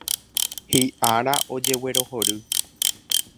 Hi'ára ojeguerohory.